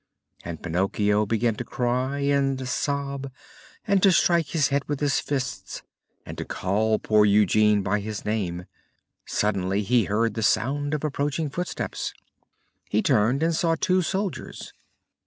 And Pinocchio began to cry and sob, and to strike his head with his fists, and to call poor Eugene by his name. Suddenly he heard the sound of approaching footsteps. He turned and saw two soldiers.